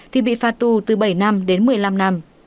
thì bị phạt tù từ bảy năm đến một mươi năm năm